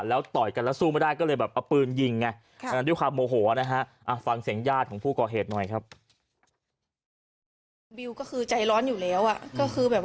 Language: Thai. แล้วต่อยกันแล้วสู้ไม่ได้ก็เลยแบบอะปืนยิงไงครับครับ